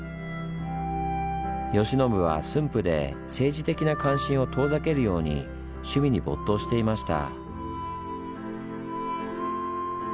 慶喜は駿府で政治的な関心を遠ざけるように趣味に没頭していました。